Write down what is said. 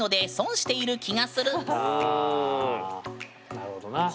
なるほどな。